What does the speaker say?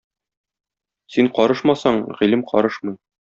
Син карышмасаң, гыйлем карышмый.